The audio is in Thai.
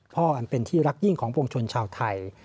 อันเป็นที่รักยิ่งของปวงชนชาวไทย